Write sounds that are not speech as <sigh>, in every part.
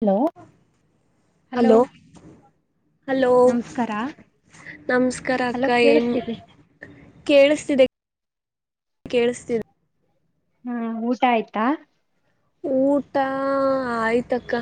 Hello hello. Hello ನಮಸ್ಕಾರ ನಮಸ್ಕಾರ hello ಅಕ್ಕ ಏನ್ ಕೇಳಿಸ್ತಿದೆ ಕೇಳಿಸ್ತಿದೆ ಕೇಳಿಸ್ತಿದೆ. ಹ್ಮ ಊಟ ಆಯ್ತಾ. ಊಟ ಆಯ್ತಕ್ಕ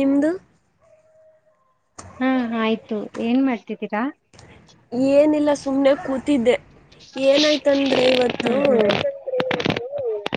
ನಿಮ್ದು. ಹಾ ಆಯ್ತು ಏನ್ ಮಾಡ್ತಿದ್ದೀರಾ. ಏನಿಲ್ಲ ಸುಮ್ನೆ ಕೂತಿದ್ದೆ ಏನಾಯ್ತಂದ್ರೆ ಇವತ್ತು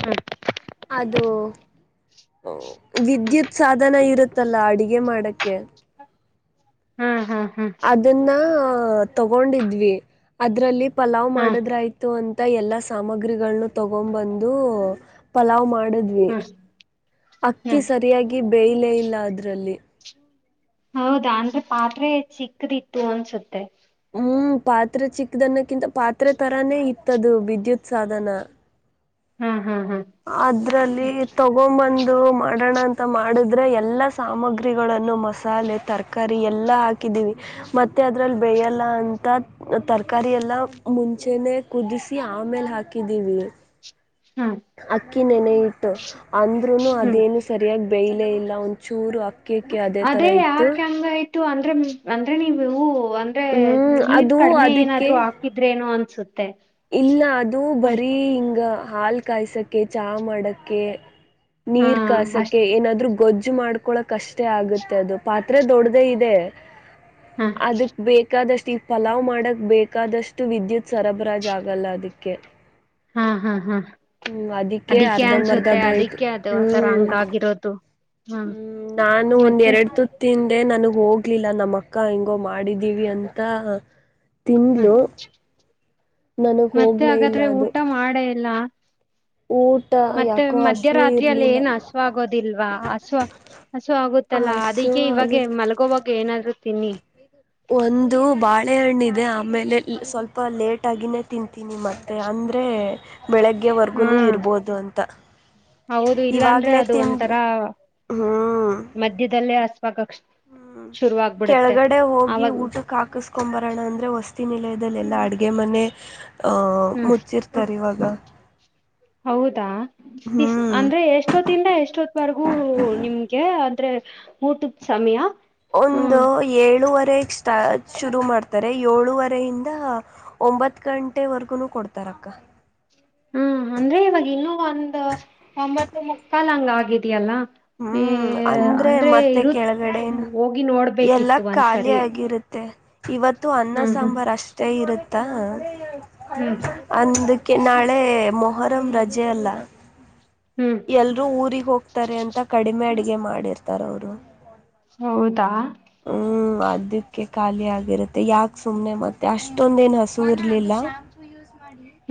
ಹ್ಮ್ ಅದು ವಿದ್ಯುತ್ ಸಾಧನ ಇರುತ್ತಲ್ಲ ಅಡಿಗೆ ಮಾಡಕ್ಕೆ. ಹಾ ಹಾ ಅದನ್ನ ತಗೊಂಡಿದ್ವಿ ಅದ್ರಲ್ಲಿ ಪಲಾವ್ ಮಾಡದ್ರಾಯ್ತು ಅಂತ. ಎಲ್ಲಾ ಸಾಮಗ್ರಿಗಳಗಳನ್ನು ತಗೊಂಡ್ ಬಂದು ಪಲಾವ್ ಮಾಡ ಮಾಡ್ದ್ವಿ ಹಾ ಹಾ ಅಕ್ಕಿ ಸರಿಯಾಗಿ ಬೇಯಲೇ ಇಲ್ಲ ಅದ್ರಲ್ಲಿ. ಹೌದಾ ಅಂದ್ರೆ ಪಾತ್ರೆ ಚಿಕ್ಕದಿತ್ತು ಅನ್ಸುತ್ತೆ. ಹ್ಮ್ ಪಾತ್ರೆ ಚಿಕ್ಕದನ್ನಕ್ಕಿಂತ ಪಾತ್ರೆ ತರಾನೇ ಇತ್ತದು ವಿದ್ಯುತ್ ಸಾಧನ. ಹ್ಮ ಅದ್ರಲ್ಲಿ ತಗೊಂಬಂದ ಮಾಡೋಣ ಅಂತ ಮಾಡಿದ್ರೆ ಎಲ್ಲಾ ಸಾಮಗ್ರಿಗಳನ್ನು ಮಸಾಲೆ ತರಕಾರಿ ಎಲ್ಲಾ ಹಾಕಿ ಮತ್ತೆ ಅದ್ರಲ್ಲಿ ಬೇಯಲ್ಲ ಅಂತ ತರಕಾರ ಎಲ್ಲ ಮುಂಚೆನೆ ಕುದಸ್ ಸಿ ಆಮೇಲೆ ಹಾಕಿದೀವಿ. ಹಾ ಅಕ್ಕಿ ನೆನೆ ಇಟ್ಟು ಅಂದ್ರೂನು ಹ್ಮ್ ಅದೇನು ಸರಿಯಾಗಿ ಬೇಯಲೇ ಇಲ್ಲ ಒಂದ ಚೂರು ಅ ಅದೇ ಯಾಕೆ ಹಂಗಯ್ತು ಅ ಅಂದ್ರೆ ನೀವು ಹೂ ಅಂದ್ರೆ ಹ್ಮ್ ನೀರ್ ಅದು ಕಡಿಮೆ ಅದಕ್ಕೆ ಏನಾದ್ರು ಹಾಕಿದ್ರ ನೋ ಅ ಇಲ್ಲ ಅದು ಬರೀ ಹಿಂಗ ಹಾಲ್ ಕಾಯ್ಸಕ ಚಾ ಮಾಡಕ್ಕೆ ನೀರ್ ಅಷ್ಟ ಕಾಸಕ್ಕೆ ಏನಾದ್ರು ಗೊಜ್ಜು ಜ್ಜು ಮಾಡ್ಕೊಳಕ್ ಅಷ್ಟೇ ಆಗುತ್ತೆ ಅದು ಪಾತ್ರೆ ದೊಡ್ಡದೇ ಇದೆ. ಹ ಅದಕ್ ಬೇಕಾದಷ್ಟು ಈ ಪಲಾವ್ ಮಾಡಕ್ ಬೇಕಾದಷ್ಟು ವಿದ್ಯುತ್ ಸರಬರಾಜ್ ಆಗ ಲ್ಲ ಅದಕ್ಕೆ. ಹಾ ಹಾ ಹಾ ಹ್ಮ್ ಅದಿಕ್ಕೆ ಅರ್ಧಂಬರ್ಧ ಅನ್ಸುತ್ತೆ ಬೇಯ್ತು ಅದಿಕ್ಕೆ ಅದು ಆಥರ ಹ್ಮ್ ಹಂಗಾಗಿರೋದು. ಹ್ಮ ಹ್ಮ್ ನಾನು ಒಂದ ಮತ್ತೆ ಎರಡು ತುತ್ತಿಂದೆ ನನಗ್ ಹೋಗ್ಲಿಲ್ಲ ನಮ್ಮ ಅಕ್ಕ ಹೆಂಗೋ ಮಾಡಿದೀವಿ ಅಂತ ಹ್ಮ ತಿಂದ್ಲು. ನನಗ್ ಮತ್ತೆ ಹೋಗ್ಲೇ ಹಾಗಾದ್ರೆ ಊಟ ಮಾಡೇ ಇಲ್ಲ. ಊ ಮತ್ತೆ ಮಧ್ಯರಾತ್ರಿಯಲ್ಲಿ ಏನು ಹಸ್ವ ಆಗೋದಿಲ್ವಾ ಹಸುವ ಹಸು ಆಗುತ್ತಲ್ಲಾ ಅದ ಹಸು ಈಗೆ ಅದು ಇವಾಗ ಮಲ್ಗೋವಾಗ ಏನಾದ್ರು ತಿನ್ನಿ. ಒಂದು ಬಾಳೆಹಣ್ಣ ಇದೆ ಆಮೇಲೆ ಸ್ವಲ್ಪ ಲೇಟ್ ಆಗಿನೇ ತಿಂತೀನಿ ಮತ್ತೆ ಅಂದರೆ ಹಾ ಬೆಳಗ್ಗೆವರೆಗು ಇರ್ಬೋದು ಅಂತ. ಹೌದು ಇಲ್ಲಾಂದ್ರೆ ಇವಾಗ್ಲೇ ಅದು ತಿನ್ ಒಂಥರ ಹ್ಮ್. ಮಧ್ಯದಲ್ಲೇ ಹಸ್ವಾಗಕ್ ಹ್ಮ್ ಶುರು ಆಗ್ಬಿಡುತ್ತೆ ಕೆಳಗಡೆ ಹೋಗಿ ಅವಾಗ ಊಟಕ್ಕೆ ಹಾಕ್ಸೂಡ್ ಬರೋಣ ಅಂದ್ರೆ ವಸ್ತಿನಲ ಅಲ್ಲಲ್ಲ ಅಡ್ಗೆ ಮನೆ ಅಹ್ ಹ್ಮ್ ಮುಚ್ಚಿರ್ತಾರೆ ಇವಾಗ. <inaudible> ಹೌದಾ ಇ ಹ್ಞೂ ಅಂದ್ರೆ ಎಷ್ಟೊತ್ತಿಂದ ಎಷ್ಟೊತ್ವರೆಗೂ ನಿಮ್ಗೆ ಅ ದ್ರೆ ಊಟದ್ ಸಮಯ. ಒಂದು ಹ್ಮ್ ಏಳುವ ಬ್ರೇಕ್ <unintelligible> ಸ್ಟಾ ಶುರು ಮಾಡ್ತಾರೆ ಏಳೂುವರೆಯಿಂದ ಒಂಬತ್ತು ಗಂಟೆವರೆಗು ಕೊಡ್ತಾರ ಅಕ್ಕ ಹಾ ಅಂದ್ರೆ ಇವಾಗ ಇನ್ನುೂ ಒಂದು ಒಂಬತ್ತು ಮುಕ್ಕಾಲ್ ಹಂಗ ಆಗಿದ್ಯಲ್ಲ ಹ್ಮ ಮೇ ಹ್ಮ ಅಂದ್ರೆ ಮತ್ತೆ ಕೆಳಗಡೆನು ಹೋಗಿ ಎಲ್ಲ ನೋಡ್ಬೇಕಿತ್ತು ಖಾಲಿ ಒಂದ್ಸರಿ ಆಗಿರುತ್ತೆ ಇವತ್ತು ಅನ್ನ ಹ್ಮ್ ಹ್ಮ್ ಸಾಂಬಾರ್ ಅಷ್ಟೇ ಇರುತ್ತ ಹ್ಮ್ ಅಂದ ಕೆ ನಾಳೆ ಮೊಹರಂ ರಜೆಯಲ್ಲ ಹ್ಮ್ ಎಲ್ರೂ ಊರಿಗೆ ಹೋಗ್ತಾರೆ ಅಂತ ಕಡಿಮೆ ಅಡಗೆ ಮಾಡಿರ್ತಾರ ಅವರು ಹೌದಾ ಹ್ಮ ಹ್ಮ ಅದಕ್ಕೆ ಖಾಲಿ ಆಗಿರುತ್ತೆ ಯಾಕ ಸುಮ್ನೆ ಮತ್ತೆ ಅಷ್ಟೊಂದೇನ್ ಹಸು ಇರ್ಲಿಲ್ಲ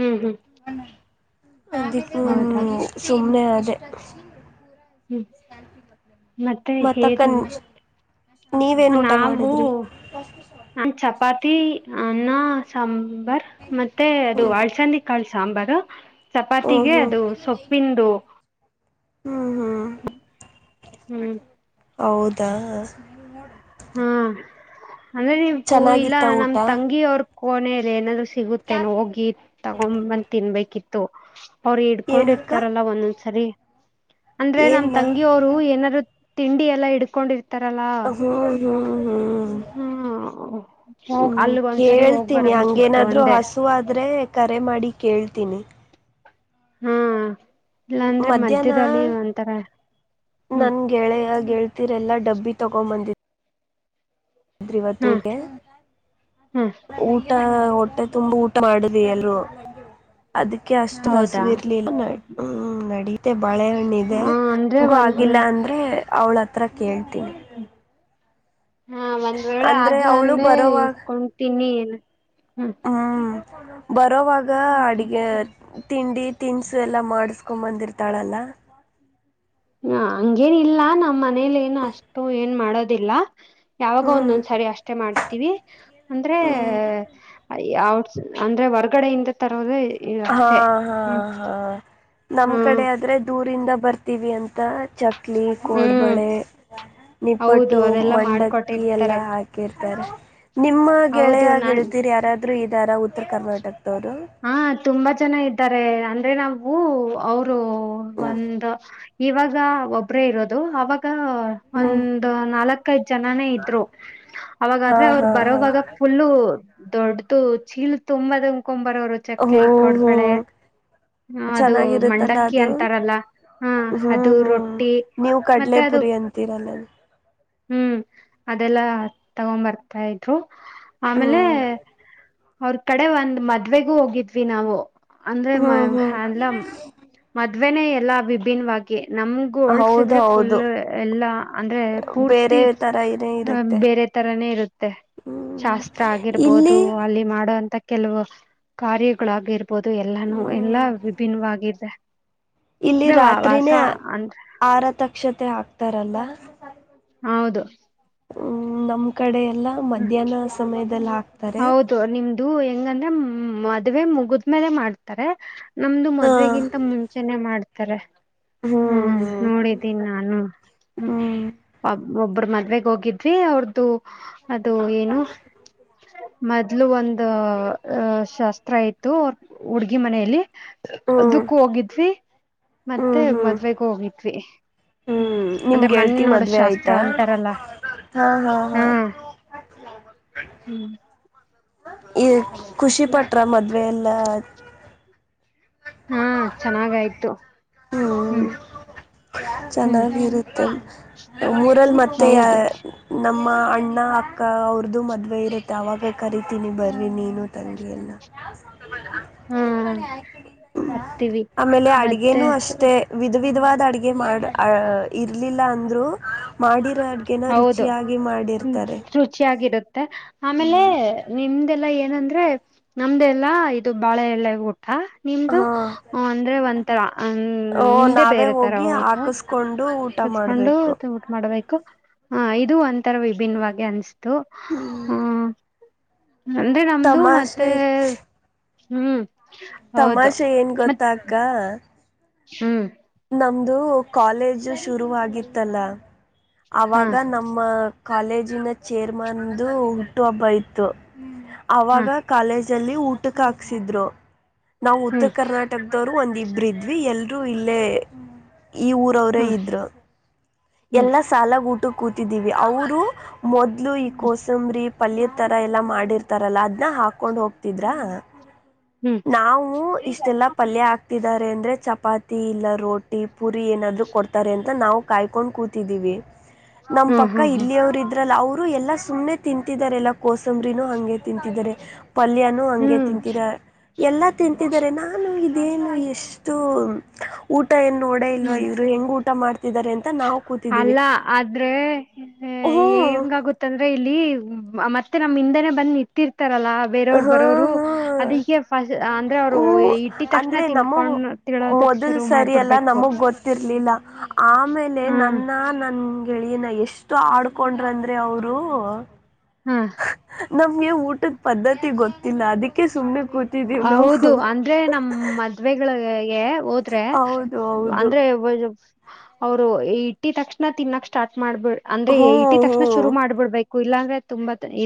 ಹ್ಮ್ ಹ್ಮ್ ಹೌದಾ <unintelligible> <inaudible> ಸುಮ್ನೆ ಆದೆ ಹ್ಮ್ ್ಟ್ಯಾೀ <unintelligible> ಮತ್ತೆ ಹೇಗೆ ನೀವೇನ್ ಊಟ ನಾವು ಮಾಡಿದ್ರಿ ನನ್ ಚಪಾತಿ ತ್ತ ಅನ್ನ ಸಾಂಬಾರ್ ಮತ್ತೆ ಅದು ಹಲಸುಂಡೆ ಕಾಳು ಸಾಂಬಾರು ಹ್ಮ್ ಚಪಾತಿಗೆ ಹ್ಮ್ ಅದು ಸೊಪ್ಪಿಂದು ಹ್ಮ್ ಹ್ಮ್ ಹ್ಮ್ ಹೌದಾ ಹಾ ಅಂದ್ರೆ ನೀ ಪೂ ಇಲ್ಲ ಚೆನ್ನಾಗಿತ್ತ ನಮ್ ಊಟ ತಂಗಿ ಅವ್ರ ಕೋನೆ ಇದೆ ಏನಾದ್ರು ಸಿಗುತ್ತೆನೆ ಹೋಗಿ ತಗೊಂದ ತಿನ್ಬೇಕಿತ್ತು ಅವ್ರು ಇಡ್ಕೊಂಡ್ ಏನಕ್ಕ ಇರ್ತಾರಲ್ಲ ಒಂದೊಂದ ಸರಿ ಅಂದ್ರೆ ನಮ್ ಏನ್ ತಂಗಿಯರು ಏನಾದ್ರು ತಿಂಡಿ ಎಲ್ಲಾ ಇಡ್ಕೊಂಡಿ ಹ ಹ್ಮ ಹ್ಮ್ ಹ್ಮ್ ಕೇಳ್ತೀನಿ ಬರ್ಬೇಕಿತ್ತು ಹಂಗೇನಾದ್ರು ಅಂದೆ ಹಸುವ ಆದ್ರೆ ಕರೆ ಮಾಡಿ ಕೇಳ್ತೀನಿ ಹ ಹಾ ಇಲ್ಲಾಂದ್ರೆ ಮಧ್ಯಾಹ್ನ ಮಧ್ಯದಲ್ಲಿ ಒಂಥರ ಹ್ಮ್ ನನ್ ಗೆಳೆಯ ಗೆಳತಿರೆಲ್ಲ ಡಬ್ಬಿ ತಗೋ ಬಂದಿ ಇವತ್ತು ಹ್ಮ್ ಊಟ ಹ್ಮ್ ಊಟ ಹೊಟ್ಟೆ ತುಂಬಾ ಊಟ ಮಾಡುದಿ ಎಲ್ರು <inaudible> ಅದಕ್ಕೆ ಅಷ್ಟು ಹಸು ಹೌದಾ ಇರ್ಲಿಲ್ಲ ಹ್ಮ್ ನಡಿ <inaudible> ಬಳೆಹಣ್ಣ ಇದೆ ಹ ಅಂದ್ರೆ ಹಂಗು ಒಂದ್ ಆಗಿಲ್ಲ ಅಂದ್ರೆ ಅವಳ ಹತ್ರ ಕೇಳ್ತೀಿ ಹಾ ಒಂದ್ ವೇಳೆ ಅಂದ್ರೆ ಆಗಿಲ್ಲ ಅವಳು ಅಂದ್ರೆ ಬರೋವಾಗ ಇಸ್ಕೊತೀನಿ ಹ್ಮ <inaudible> ಹ್ಮ ಬರೋವಾಗ ಅಡಿಗೆ ತಿಂಡಿ ತಿನಿಸು ಎಲ್ಲ ಮಾಡಿಸ್ಕೊ್ಂಬಂದಿರ್ತಾಳಲ್ಲ ಹ ಹಂಗೇನಿಲ್ಲ ನಮ್ಮ್ ಮನೇಲಿ ಏನು ಅಷ್ಟು ಏನ್ ಮಾಡೋದಿಲ್ಲ ಯಾವಾಗಾದ್ರೂ ಹ್ಮ್ ಒಂದೊಂದ್ ಸಾರಿ ಅಷ್ಟೇ ಮಾಡ್ತೀವಿ ಅಂದ್ರೆ ಹ್ಮ್ ಟ್ <unintelligible> ಅಂದ್ರೆ ಹೊರ್ಗಡೆಯಿಂದ ತರೋದು ಹಾ ಅಷ್ಟೇ ಹಾ ಹ್ಮ್ ಹಾ ನಮ್ ಹ್ಮ್ ಕಡೆ ಆದ್ರೆ ದೂರಿಂದ ಬರ್ತೀವಿ ಅಂತ ಚಕ್ಲಿ ಹ್ಮ್ ಕೋಡ್ಬಳೆ ಹೌದು ನಿಪ್ಪಟ್ಟು ಅದೆಲ್ಲಾ ಮಂಡಕ್ಕಿ ಎಲ್ಲ ಮಾಡ್ಕೊಟ್ಟಿರ್ತಾರೆ ಹಾಕಿರ್ತಾರೆ ನಿಮ್ಮ ಹೌದು ಗೆಳೆಯ ನಾನ್ ಗೆಳತಿಯರು ಯಾರಾದ್ರರು ಇದಾರ ಉತ್ತರ ಕರ್ನಾಟಕದವರು ಹಾ ತುಂಬಾ ಜನ ಇದ್ದಾರೆ ಅಂದ್ರೆ ನಾವು ಅವರು ಹ್ಮ್ ಒಂದು ಇವಾಗ ಒಬರೇ ಇರೋದು ಅವಾಗ ಹ್ಮ್ ಒಂದು ನಾಲ್ಕೈದ್ ಜನಾನೇ ಇದ್ರು ಹಾ ಅವಾಗಾದ್ರೆ ಅವರು ಹಾ ಹಾ ಬರೋವಾಗ ಫುಲ್ಲು ದೊಡ್ಡದು ಚೀಲ್ ತುಂಬದ ಹ್ಮ್ ಹ್ಮ್ ಅದು ಚೆನ್ನಾಗಿರುತ್ತಲ್ಲ ಮಂಡಕ್ಕಿ ಅದು ಅಂತಾರಲ್ಲ ಹಾ ಅದು ಹ್ಮ್ ಹ್ಮ್ ರೊಟ್ಟಿ ನೀವು ಮತ್ತೆ ಅದು ಕಡ್ಲೆಪುರಿ ಅಂತಿರಲ್ಲ ಹ್ಮ್ ಅದೆಲ್ಲಾ ತಗೊಂಡ್ ಬರ್ತಾ ಇದ್ರು ಆಮೇಲೆ ಹ್ಮ್ ಅವ್ರ ಕಡೆ ಒಂದ್ ಮದ್ವೆಗೂ ಹೋಗಿದ್ವಿ ನಾವು ಅಂದ್ರೆ ಮ ಹ್ಮ್ ಹ್ಮ್ ಎಲ್ಲ ಮದ್ವೆೇನೇ ಎಲ್ಲಾ ವಿಭಿನ್ವಾಗಿ. ನಮಗು ಹೌದು ಹೋಲ್ಸಿದ್ರೆ ಫುಲ್ ಹೌದು ಎಲ್ಲಾ ಅಂದ್ರೆ ಬೇರೆ ಪೂರ್ತಿ ತರ ಏನೇ ಇರುತ್ತೆ ಬೇರೆ ತ ತರನೇ ಇರುತ್ತೆ ಹ್ಮ್ ಶಾಸ್ತ್ರ ಆಗಿರ್ಬೋದು ಇಲ್ಲಿ ಅಲ್ಲಿ ಮಾಡೋಂತ ಕೆಲವು ಕಾರ್ಯಗಳಾಗಿರ್ಬೋದು ಎಲ್ಲಾನು ಎಲ್ಲಾ ಹ್ಮ್ ವಿಭಿನ್ವಾಗಿದೆ. ಇಲ್ಲಿ ರಾತ್ರಿನೇ ಆರತಕ್ಷತೆ ಆಗ್ತಾರಲ್ಲ ಹೌದು ಹ್ಮ್ ನಮ್ ಕಡೆ ಎಲ್ಲಾ ಮಧ್ಯಾಹ್ನ ಸಮಯದೆಲ್ಲ ಆಕ್ತರೆ. ಇದು ಹೆಂಗಂದ್ರೆ ಮದ್ವೆ ಮುಗಿದ್ಮೇಲೆ ಮಾಡ್ತಾರೆ. ನಮ್ದು ಹಾ ಮದ್ವೆಗಿಂತ ಮುಂಚೆನೆ ಮಾಡ್ತಾರೆ. ಹ್ಮ ಹ್ಮ್ ನೋಡಿದ್ದೀನಿ ನಾನು ಹ್ಮ್ ಹ್ಮ್ ಒಬ್ ಒಬ್ರು ಮದ್ವೆಗ್ ಹೋಗಿದ್ವಿ ಅವ್ರ್ದು ಅದು ಏನು ಮೊದ್ಲು ಒಂದ ಅಹ ಶಾಸ್ತ್ರ ಇತು ಹುಡ್ಗಿ ಮನೆಲೀ ಅದಕ್ಕೂ ಹೋಗಿದ್ವಿ ಮತ್ತೆ ಹ್ಮ್ ಹ್ಮ್ ಮದ್ವೆಗೂ ಹೋಗಿದ್ವಿ. ಹ್ಮ್ ನಿಮ್ ಅಂದ್ರೆ ಮೊನ್ನೆ ಗೆಳ್ತಿ ನೋಡ ಮದ್ವೆ ಶಾಸ್ತ್ರ ಆಯ್ತಾ? ಅಂತಾರಲ್ಲ ಹಾ ಹಾ <unintelligible> ಹ ಹಾ ಹ್ಮ್ ಈ ಖುಷಿ ಪಟ್ರ ಮದ್ವೆ ಎಲ್ಲ ಹಾ ಚೆನ್ನಾಗಾಯ್ತು ಹ್ಮ್ ಹ್ಮ್ ಚೆನ್ನಾಗಿರುತ್ತೆ ಊರಲ್ಲಿ ಮತ್ತೆ ಯಾ ಹೌದು ನಾ ಅಮ್ಮ ಅಣ್ಣ ಅಕ್ಕ ಅವ್ರದ್ದು ಮದುವೆ ಇರುತ್ತೆ ಆವಾಗೇ ಕರಿತೀನಿ ಬರ್ರಿ ನೀನು ತಂಗಿಯ ಎಲ್ಲ. <inaudible> ಹಾ <unintelligible> ಬರ್ತೀವಿ ಆಮೇಲೆ ಮತ್ತೆ ಅಡ್ಗೆನು ಅಷ್ಟೇ ವಿಧವಿಧವಾ ದ ಅಡಿಗೆ ಮಾಡ ಇರ್ಲಿಲ್ಲ ಅಂದ್ರು ಮಾಡಿ ಅಡ್ಗೆನ ಹೌದು ರುಚಿಯಾಗಿ ಮಾಡಿರ್ತರೆ. ತೆ ಆಮೇಲೆ ನಿಮ್ದೆಲ್ಲ ಏನಂದ್ರೆ ನಮ್ದೆಲ್ಲಾ ಇದು ಬಾಳೆ ಎಲೆ ಊ ಹ ನಿಮ್ದು ಹಾ ಅಂದ್ರೆ ಒಂಥರ ಹ ಓ ನಿಮ್ದೇ ನಾವೇ ಬೇರೆ ತರ ಹೋಗಿ ಊಟ. ಹಾಕಸ್ಕೊಂಡು ಊಟ ಕತ್ಕೊಂಡು ಮಾಡ್ಬೇಕು ಉಟು ಮಾಡ್ಬೇಕು. ಹ ಇದು ಒಂಥರ ವಿಭಿನ್ನವಾಗಿ ಅನ್ಸತು ಹ್ಮ್ ಹ ಅಂದ್ರೆ ನಮ್ದು ಮತ್ತೆ ತಮಾಷೆ <unintelligible> ಹ್ಮ್ ಹೌದು ತಮಾಷೆ ಏನ್ ಮತ್ ಗೊತ್ತಾ ಅಕ್ಕ ಹ್ಮ್ ನಮ್ದು ಕಾಲೇಜ್ ಶುರುವಗಿತ್ತಲ್ಲ ಹಾ ಅವಾಗ ನಮ್ಮ ಕಾಲೇಜಿನ ಚೇರ್ಮನ್ದು ಹುಟ್ಟು ಹಬ್ಬ ಇತ್ತು ಹಾ ಅವಾಗ ಕಾಲೇಜ್ ಲ್ಲಿ ಊಟ ಹಾಕ್ಸಿದ್ರು ನಾವು ಹ್ಮ್ ಉತ್ತರ ಕರ್ನಾಟಕದವರು ಒಂದ್ ಇಬ್ರು ಇದ್ವಿ ಎಲ್ರು ಇ ಲೆ ಈ ಊರ ಅವರೇ ಹ್ಮ್ ಇದ್ರು ಹ್ಮ್ ಎಲ್ಲ ಸಾಲಗ್ ಊ ಕ್ಕೂ ಕೂತಿದ್ದೀವಿ ಅವರು ಮೊದ್ಲು ಈ ಹ್ಮ್ ಕೋಸಂಬ್ರಿ ಪಲ್ಯಡ್ ತರ ಎಲ್ಲಾ ಮಾಡಿರ್ತಾರಲ್ಲ ಅದ್ನ್ನ ಹಾಕೊಂಡ್ ಹೋಗ್ತಿದ್ರಾ ಹ್ಮ್ ನಾವವು ಇಷ್ಟೆಲ್ಲಾ ಪಲ್ಯ ಹಾಕ್ ಕತಿದ್ದಾರೆ ಅಂದ್ರರೆ ಚಪಾತಿ ಇಲ್ಲ ರೋಟಿ ಪುರಿ ಏನಾದ್ರು ಕೊಡ್ತಾರೆ ಅಂತ ನಾವು ಕಾಯ್ಕೊಂಡು ಕೂತಿದ್ದೀವಿ. ನಮ್ ಹ್ಮ್ ಪಕ್ಕ ಹ್ಮ್ ಹ್ಮ್ ಇಲ್ಲಿಯವರು ಇದ್ರಲ್ಲ ಅವರ್ ಅವರು ಎಲ್ಲಾ ಸುಮ್ಮ್ನೆ ತಿಂತಿದರೆ ಎಲ್ಲ ಕೋಸಂಬ್ರನೂ ಹಂಗೆ ತಿಂತಿದರೆ ಪಲ್ಯನೂ ಹಂಗೆ ಹ್ಮ್ ತಿಂತಿರ ಎಲ್ಲ ತಿಂತಿದರೆ ನಾನು ಇದೇನು ಎಷ್ಟು ಊಟ್ ಟ ಏನ್ ನೋಡೇ ಇಲ್ವಾ ಹ್ಮ್ ಇವ್ರು ಹೆಂಗ್ ಊಟ ಮಾಡ್ ಅಲ್ಲ ಆದ್ರೆ ಹೆ ಹ್ಞೂ ಏಂಗಗುತ್ತಂದ್ರೆ ಇಲ್ಲಿ ಮತ್ತೆ ನಮ್ ಇಂದನೆ ಬಂದ್ ನಿಂತೀರ್ ತರಲ ಬೇರೆವ್ರು ಬರೋವರು ಹಾಂ ಹಾಂ ಅದಕ್ಕೆ ಅಂದ್ರೆ ಅವ್ರು ಇಟ್ಟತಕ್ಷಣ ತಿನ್ಕೊಂಡ್ ತಿಳೋದಕ್ ಮೊದಲ್ ಶುರು ಸರಿಯಲ್ಲಾ ಮಾಡ್ಬಿಡ್ಬೇಕು ನಮಗ್ ಗೊತ್ತಿರ್ಲಿಲ್ಲ ಆ ಆಮೇಲೆ ಹ್ಮ್ ನನ್ನ ನನ್ ಗೆಳಿಯನ ಎಷ್ಟು ಆಡ್ಕೊಂಡ್ರಂದ್ರೆ ಅವ್ರು ಹ್ಮ್ ನಮ್ಗೆ ಊಟದ ಪದ್ಧತಿ ಗೊತ್ತಿಲ್ಲ ಅದಕ್ಕೆ ಸುಮ್ಮನೆ. ಕೂತಿದ್ದೀವಿ ನಾವು ಹೌದು ಅಂದ್ರೆ ನಮ್ಮ್ ಮದ್ವೆಗಳಿಗೆ. ಹೋದ್ರೆ ಹೌದು ಹೌದು ಅಂದ್ರೆ. ಅವ್ರು ಇಟ್ಟ ತಕ್ಷಣ ತಿನ್ನಕ್ ಸ್ಟಾರ್ಟ್ ಮಾಡ್ಬಿಡ್ ಅಂದ್ರೆ ಹ್ಞೂ ಇಟ್ಟ ತಕ್ಷಣ ಶುರು ಮಾಡ್ಬಿಡ್ಬೇಕು. ಇಲ್ಲಾಂದ್ರೆ ತುಂಬಾ ಇ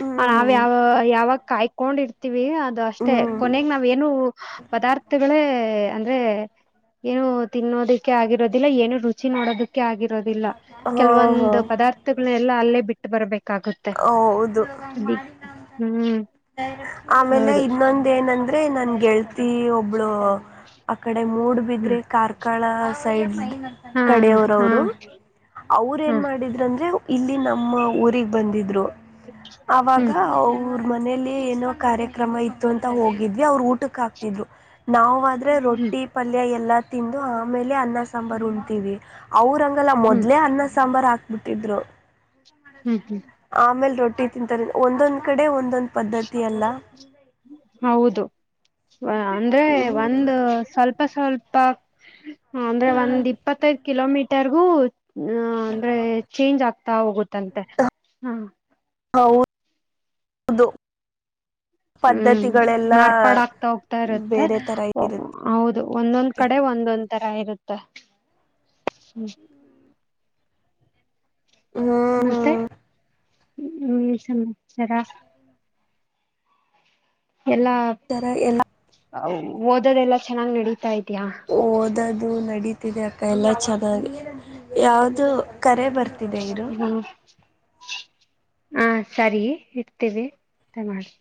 ಹ್ಞೂ ನಾವ್ ಯಾವ ಯಾವಾಗ ಕಾಯ್ಕೊಂಡ್ ಇರ್ತಿೀವಿ. ದು ಹ್ಞೂ ಅಷ್ಟೆ ಹ್ಞೂ ಕೊನೆಗ್ ನಾವ್ ಏನು ಪದಾರ್ಥಗಳೇ ಅಂದ್ರೆ. ಏನು ತಿನ್ನೋದಕ್ಕೆ ಆಗಿರೋದಿಲ್ಲ ಏನು ರುಚಿ ನೋಡೋದಕ್ಕೆ. ೆ ಆಗಿರೋದಿಲ್ಲ ಹಾಂ ಕೆಲವೊಂದು ಹಾಂ ಪದಾರ್ಥಗಳ ಎಲ್ಲ ಅಲ್ಲೇ ಬಿಟ್ಟು ಬರಬೇಕು. ಹೌದು ಹ್ಮ್ ಆಮೇಲೆ ಹೌದು ಇನ್ನೊಂದು. ಇದೇಏನಂದ್ರೆ ನನ್ ಗೆಳ್ತಿ ಒಬ್ಳು ಆ ಕಡೆ ಮೂಡ್ ಬಿದ್ರಿ ಕಾರ್ಕಳ. ಸೈಡ್ ಹಾ ಹಾ ಕಡೆಯವರವರು ಅವ್ರ ಹಾ ಏನ್ ಮಾಡಿದ್ರಂದ್ರೆ. ಇಲ್ಲಿ ನಮ್ಮ ಊರಿಗೆ ಬಂದಿದ್ರು. ಅವಾಗ ಹ್ಮ್ ಅವ್ರ ಮನೇಲಿ ಏನೋ ಕಾರ್ಯ. ಕ್ರಮ ಇತ್ತು ಅಂತ ಹೋಗಿದ್ವಿ ಅವ್ರು ಊಟಕ್ಕೆ ಹಾಕ್ತಿದ್ರು ನಾವುಾದ್ರರ ಹ್ಮ್ ರೊಟ್ಟಿ ಪಲ್ಯ ಎಲ್ಲ. ತಿಂದು ಆಮೇಲೆ ಅನ್ನ ಸಾಂಬಾರು ಉಣ್ತಿೀವಿ ಅವ್ರಂಗಲ್ಲ ಹ್ಮ್ ಮೊದ್ಲೆೇ ಅನ್ನ ಸಾಂಬಾರ್ ಹಾ. ಮುಟ್ಟಿದ್ರು. ಹ್ಮ್ ಹ್ಮ್. ಆಮೇಲ್ ರೊಟ್ಟಿ ತಿಂತಾರೆ ಒಂದೊಂದ್ ಕಡೆ ಒಂದೊಂದ. ಹೌದು. ಅಂದ್ರೆ ಹ್ಮ್ ಒಂದು ಸ್ವಲ್ಪ ಸ್ವಲ್ಪ ಅಂದ್ರೆ ಒಂದ್ ಇಪ್ಪತ್ತೈದು. ಕಿಲೋಮೀಟರ್ಗೂ. ಹ ಅಂದ್ರೆ ಚೇಂಜ್ ಆಗ್ತಾ ಹೋಗುತ್ತಂತೆ ಹಾ. ಹೌ ಹೌದು. ಹ್ಮ್ ಪದ್ಧತಿಗಳೆಲ್ಲ ಮಾರ್ಪಾಡ ಆಕ್ತಾ ಹೋಗ್ತಾ ಇರುತ್ತೆ ಬೇರೆ ತರ ಇರುತ್ತೆ ಹೌದು ಒಂದೊಂದ್ ಕಡೆ ಒ ಒಂದೊಂದ್ ತರ ಇರುತ್ತ ಹ್ಮ. ಹ್ಮ್ ಮತ್ತೆ ಹ್ಮ್ ಹ್ಮ ಸಮಾಚಾರ. ಎಲ್ಲಾ ತರ ಎಲ್ಲ ಓದೋದೆಲ್ಲಾ ಚೆನ್ನಾಗ್ ನಡೀತಾ ಇದ್ಯಾ. ಇದು ನಡೀತಿದೆ ಅಕ್ಕ ಎಲ್ಲ ಚೆನ್ನಾಗಿ ಯಾವ್ದ. ಕರೆ ಬರ್ತಿದೆ ಇರು. ಹಾ ಸರಿ ಇಡ್ತೇವಿ ಅ ಮಾಡಿ.